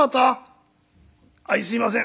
「あいすいません。